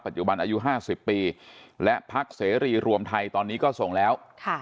จุบันอายุ๕๐ปีและพักเสรีรวมไทยตอนนี้ก็ส่งแล้ว